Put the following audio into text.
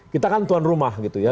kita kan tuan rumah gitu ya